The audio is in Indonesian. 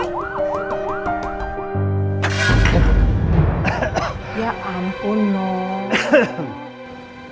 ya ampun dong